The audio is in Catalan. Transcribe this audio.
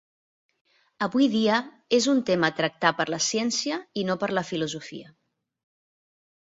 Avui dia, és un tema tractar per la ciència i no per la filosofia.